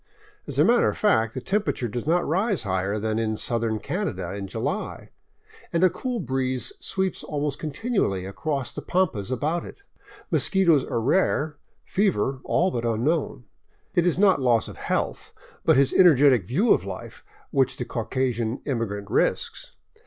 As a matter of fact, the temperature does not rise higher than in southern Canada 544 LIFE IN THE BOLIVIAN WILDERNESS in July, and a cool breeze sweeps almost continually across the pampas about it. Mosquitos are rare, fever all but unknown. It is not loss of health, but his energetic view of life which the Caucasian im migrant risks.